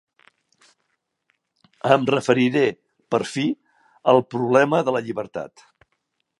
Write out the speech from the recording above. Em referiré, per fi, al problema de la llibertat.